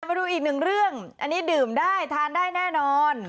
มาดูอีกหนึ่งเรื่องอันนี้ดื่มได้ทานได้แน่นอน